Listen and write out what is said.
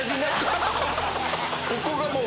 ここがもう。